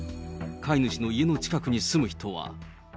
飼い主の家の近くに住む人は。